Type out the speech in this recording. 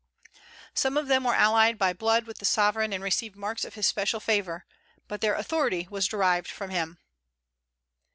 Some of them were allied by blood with the sovereign, and received marks of his special favor; but their authority was derived from him.